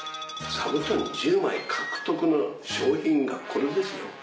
座布団１０枚獲得の賞品がこれですよ。